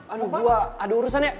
aduh gue ada urusan ya